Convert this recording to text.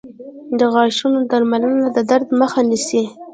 • د غاښونو درملنه د درد مخه نیسي.